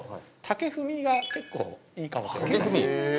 竹踏みが結構いいかもしれない竹踏み？